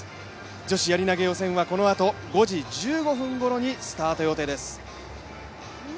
女子やり投予選はこのあと、５時１５分ごろにスタート予定です。